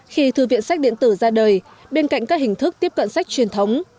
khi thư viện sách điện tử ra đời bên cạnh các hình thức tiếp cận sách truyền thống